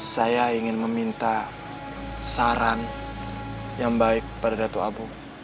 saya ingin meminta saran yang baik pada datu abu